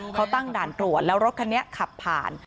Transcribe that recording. เขาตั้งด่านตรวจแล้วรถคันนี้ขับผ่าน